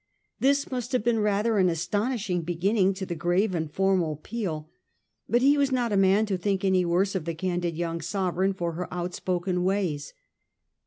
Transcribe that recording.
This must have been rather an astonishing beginning to the grave and formal Peel; but he was not a man to think any worse of the candid young Sovereign for her outspoken ways.